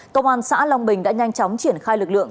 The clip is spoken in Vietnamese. cơ quan xã long bình đã nhanh chóng triển khai lực lượng